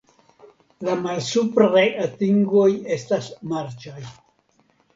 La malsupraj atingoj estas marĉaj.